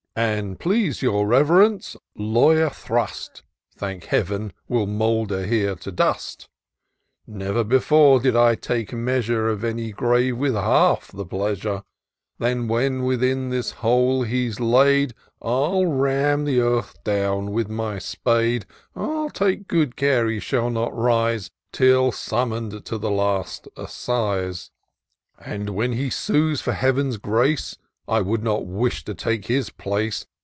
"An* please yourRev'rence, Latvyer Thrust, Thank Heav'n ! will moulder here to dust. Never before did I take measure Of any grave with half the pleasure ; And when within this hole he's laid, 111 ram the earth down with my spade : I'll take good care he shall not rise, TiU summon'd to the last assize ; And, when he sues for Heaven's grace, I would not wish to take his place.